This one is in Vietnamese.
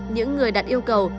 những người đặt yêu cầu